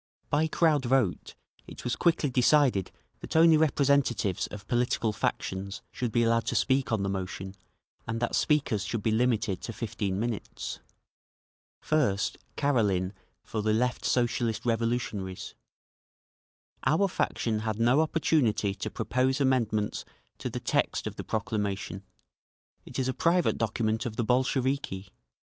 By crowd vote it was quickly decided that only representatives of political factions should be allowed to speak on the motion and that speakers should be limited to fifteen minutes. First Karelin for the Left Socialist Revolutionaries. "Our faction had no opportunity to propose amendments to the text of the proclamation; it is a private document of the Bolsheviki.